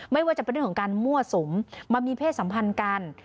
ไม่ว่าจะเป็นเรื่องของการมั่วสุมมามีเพศสัมพันธ์กัน